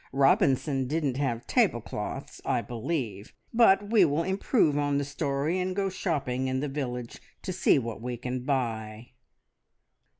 Robinson didn't have tablecloths, I believe; but we will improve on the story, and go shopping in the village to see what we can buy."